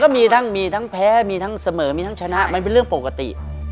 มันก็มีทั้งแพ้สมัยชนะมันเป็นเรื่องปกติ